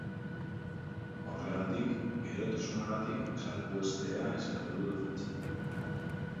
Horregatik, erotasunagatik salbuestea eskatu du defentsak.